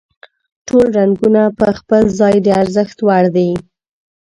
ټول رنګونه په خپل ځای د ارزښت وړ دي.